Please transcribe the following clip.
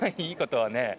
いいことはね。